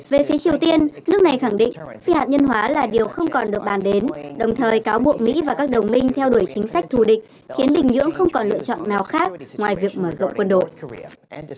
về phía triều tiên nước này khẳng định phi hạt nhân hóa là điều không còn được bàn đến đồng thời cáo buộc mỹ và các đồng minh theo đuổi chính sách thù địch khiến bình nhưỡng không còn lựa chọn nào khác ngoài việc mở rộng quân đội